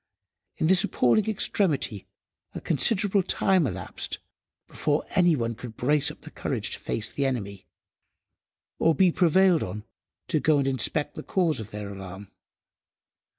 In this appalling extremity, a considerable time elapsed before any one could brace up courage to face the enemy, or be prevailed on to go and inspect the cause of their alarm.